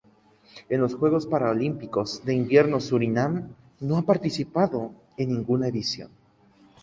En los Juegos Paralímpicos de Invierno Surinam no ha participado en ninguna edición.